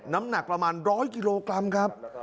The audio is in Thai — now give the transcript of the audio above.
น้ำหนักประมาณ๑๐๐กิโลกรัมครับ